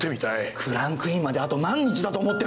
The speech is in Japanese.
クランクインまであと何日だと思ってるんですか！？